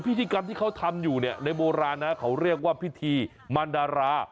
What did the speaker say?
พิธีกรรมที่เขาทำอยู่ในโมราณเขาเรียกว่าพิธีมัณรา